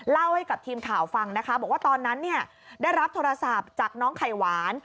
เล่าให้กับทีมข่าวฟังนะคะบอกว่าตอนนั้นเนี่ยได้รับโทรศัพท์จากน้องไข่หวาน